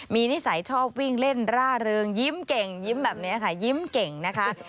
มีนิสัยชอบวิ่งเล่นร่าเริงยิ้มเก่งยิ้มแบบนี้ค่ะยิ้มเก่งนะคะ